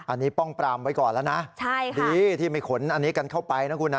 อันนี้ป้องปรามไว้ก่อนแล้วนะใช่ค่ะดีที่ไม่ขนอันนี้กันเข้าไปนะคุณนะ